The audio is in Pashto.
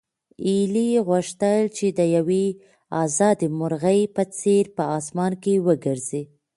هیلې غوښتل چې د یوې ازادې مرغۍ په څېر په اسمان کې وګرځي.